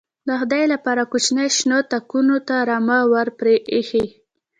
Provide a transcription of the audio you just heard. _د خدای له پاره، کوچي شنو تاکونو ته رمه ور پرې اېښې.